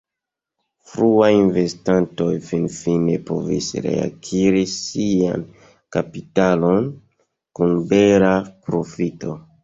Fruaj investantoj finfine povis reakiri sian kapitalon kun bela profito.